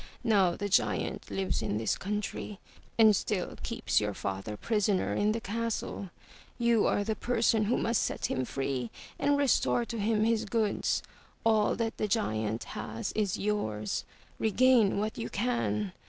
Now the giant lives in this country, and still keeps your father prisoner in the castle. You are the person who must set him free and restore to him his goods. All that the giant has is yours. Regain what you can.